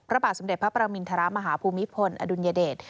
พระบาทสมเด็จพระประมินทรมาฮภูมิพลอดุลยเดช